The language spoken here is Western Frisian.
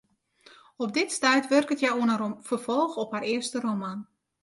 Op dit stuit wurket hja oan in ferfolch op har earste roman.